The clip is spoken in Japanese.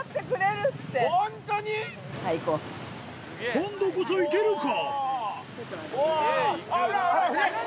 今度こそいけるか？